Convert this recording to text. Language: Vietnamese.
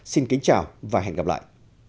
xin kính chào và hẹn gặp lại